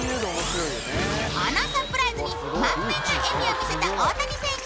このサプライズに満面の笑みを見せた大谷選手